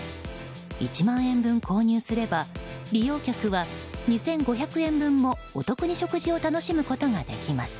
１万円分購入すれば利用客は２５００円分もお得に食事を楽しむことができます。